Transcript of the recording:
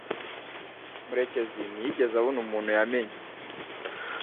Murekezi ntiyigeze abona umuntu yamenye.